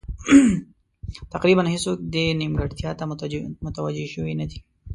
تقریبا هېڅوک یې دې نیمګړتیا ته متوجه شوي نه دي.